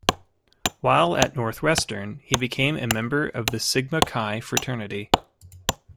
While at Northwestern, He became a member of the Sigma Chi fraternity.